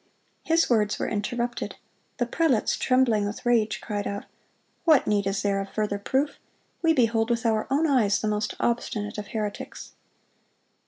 His words were interrupted. The prelates, trembling with rage, cried out, "What need is there of further proof? We behold with our own eyes the most obstinate of heretics!"